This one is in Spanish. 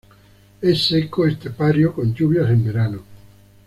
Es seco estepario con lluvias en verano.